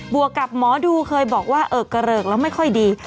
วกกับหมอดูเคยบอกว่าเออกระเริกแล้วไม่ค่อยดี